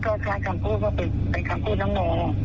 เขาใช้คำพูดว่าเป็นคำพูดน้องมอ